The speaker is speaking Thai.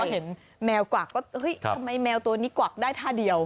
เห็นแมวกวักก็เฮ้ยทำไมแมวตัวนี้กวักได้ท่าเดียว